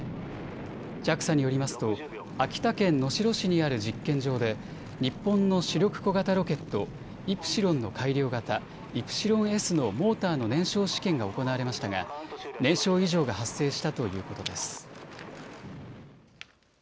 ＪＡＸＡによりますと秋田県能代市にある実験場で日本の主力小型ロケット、イプシロンの改良型、イプシロンＳのモーターの燃焼試験が行われましたが燃焼異常が発生したということです。